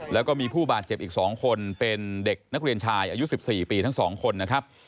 แล้วก็มีผู้บาดเจ็บอีก๒คนเป็นเด็กนักเรียนชายอายุ๑๔ปีทั้ง๒คนนะครับ